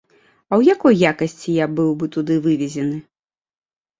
А ў якой якасці я быў бы туды вывезены?